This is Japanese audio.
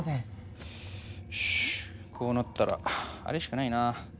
よしこうなったらあれしかないな。